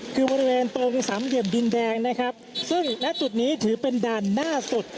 คือบริเวณตรงสามเหลี่ยมดินแดงนะครับซึ่งณจุดนี้ถือเป็นด่านหน้าสุด